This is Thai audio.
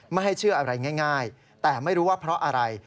ไม่ให้เชื่ออะไรง่ายแต่ไม่รู้ว่าเพราะอะไร